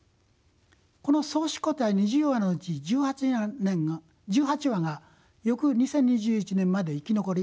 この創始個体２０羽のうち１８羽が翌２０２１年まで生き残り繁殖しました。